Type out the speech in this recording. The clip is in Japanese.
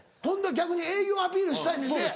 逆に営業アピールしたいねんて